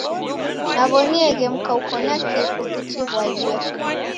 Naw'onieghe mka uko na kifu ukichiw'adia.